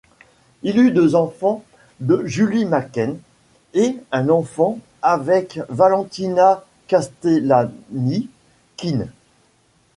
Il eut deux enfants de Julie McCann et un enfant avec Valentina Castellani-Quinn.